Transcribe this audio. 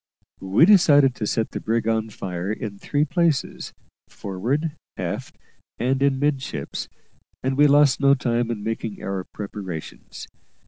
We decided to set the brig on fire in three places forward, aft, and in midships and we lost no time in making our preparations.